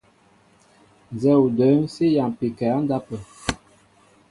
Nzɛ́ɛ́ o də̌ŋ sí yámpi kɛ́ á ndápə̂.